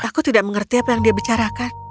aku tidak mengerti apa yang dia bicarakan